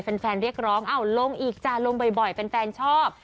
เป็นแฟนเรียกร้องลงอีกจ่าลงบ่อยเป็นแฟนชอบ